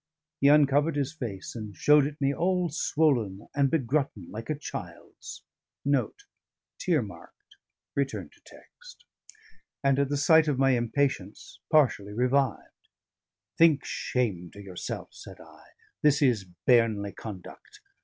He uncovered his face and showed it me all swollen and begrutten like a child's; and at the sight my impatience partially revived. "Think shame to yourself," said I. "This is bairnly conduct.